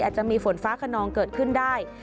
อาจจะมีฝนฟ้าขนองเกิดขึ้นได้